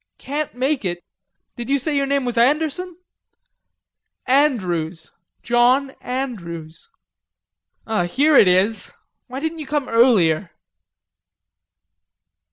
"Can't make it.... Did you say your name was Anderson?" "Andrews.... John Andrews." "Here it is.... Why didn't you come earlier?"